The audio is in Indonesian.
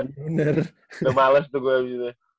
bener udah males tuh gue abis itu